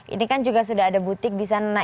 ini kan juga sudah ada butik disana